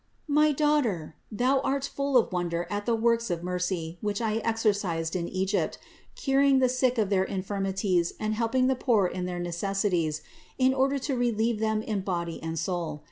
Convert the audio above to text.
670. My daughter, thou art full of wonder at the works of mercy which I exercised in Egypt, curing the sick of their infirmities and helping the poor in their necessities, in order to relieve them in body and soul.